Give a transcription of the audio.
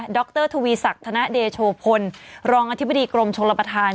รทวีศักดิ์ธนเดโชพลรองอธิบดีกรมชลประธาน